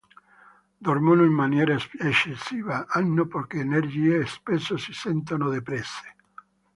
Dormono in maniera eccessiva, hanno poche energie e spesso si sentono depresse.